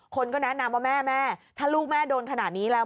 คนก็แนะนำว่าแม่แม่ถ้าลูกแม่โดนขนาดนี้แล้ว